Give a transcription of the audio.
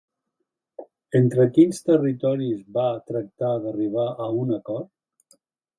Entre quins territoris va tractar d'arribar a un acord?